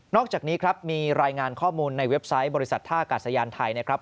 อกจากนี้ครับมีรายงานข้อมูลในเว็บไซต์บริษัทท่ากาศยานไทยนะครับ